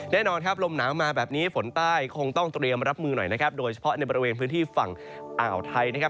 แน่นอนครับลมหนาวมาแบบนี้ฝนใต้คงต้องเตรียมรับมือหน่อยนะครับโดยเฉพาะในบริเวณพื้นที่ฝั่งอ่าวไทยนะครับ